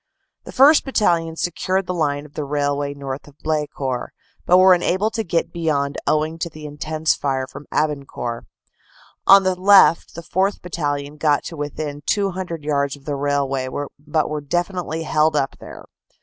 The 1st. Battalion secured the line of the railway north of Blecourt, but were unable to get beyond owing to the intense fire from Abancourt. On the left the 4th. Battalion got to within 200 yards of the railway, but were definitely held up there.